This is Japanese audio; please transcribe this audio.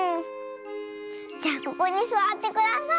じゃあここにすわってください。